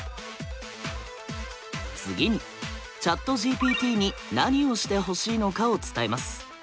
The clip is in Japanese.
次にＣｈａｔＧＰＴに何をしてほしいのかを伝えます。